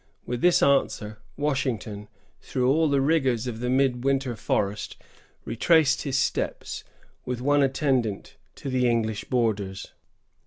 With this answer Washington, through all the rigors of the midwinter forest, retraced his steps, with one attendant, to the English borders.